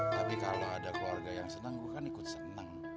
tapi kalau ada keluarga yang senang gue kan ikut senang